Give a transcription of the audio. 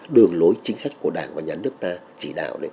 đường lối chính sách của đảng và nhà nước ta chỉ đạo